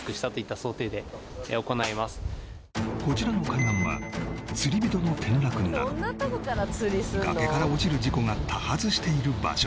こちらの海岸は釣り人の転落など崖から落ちる事故が多発している場所